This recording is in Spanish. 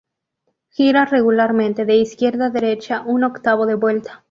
Gira regularmente de izquierda a derecha un octavo de vuelta.